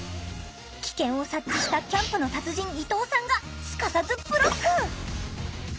危険を察知したキャンプの達人伊藤さんがすかさずブロック！